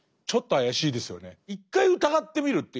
一回疑ってみるという。